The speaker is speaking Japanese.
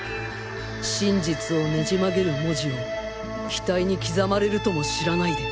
真実をねじ曲げる文字を額に刻まれるとも知らないで